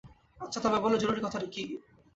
আচ্ছা তবে বলো জরুরি কথাটা কী?